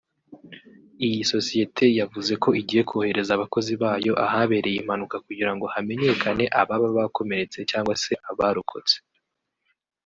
Iyi sosiyete yavuze ko igiye kohereza abakozi bayo ahabereye impanuka kugirango hamenyekane ababa bakomeretse cyangwa se abarokotse